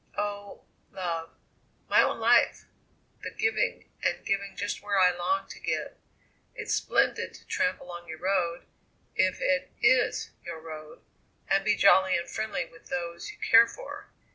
"Oh! love my own life the giving and giving just where I long to give. It's splendid to tramp along your road, if it is your road, and be jolly and friendly with those you care for.